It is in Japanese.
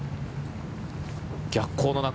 逆光の中。